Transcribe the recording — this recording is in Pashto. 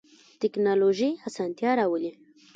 تکنالوژی اسانتیا راولی